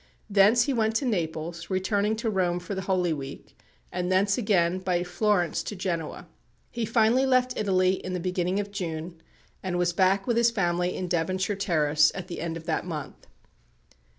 Thence he went to Naples, returning to Rome for the Holy Week; and thence again by Florence to Genoa. He finally left Italy in the beginning of June, and was back with his family in Devonshire Terrace at the end of that month.